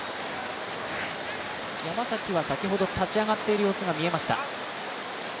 山崎は先ほど立ち上がっている様子が見えました。